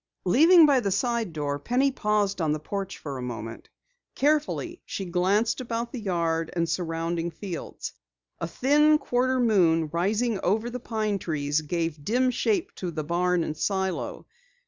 Leaving by the side door, Penny paused on the porch for a moment. Carefully she glanced about the yard and surrounding fields. A thin quarter moon rising over the pine trees gave dim shape to the barn and silo.